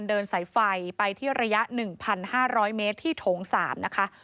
เดินสายไฟไปที่ระยะ๑๕๐๐เมตรที่โถง๓นะคะ